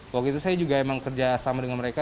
waktu itu saya juga emang kerja sama dengan mereka